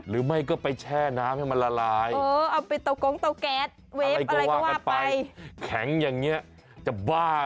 เมื่อไหร่จะได้กินกินผักไปก่อนแป๊ะ